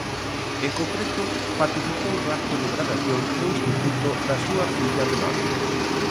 En concreto, participou no acto de gradación do instituto da súa filla menor.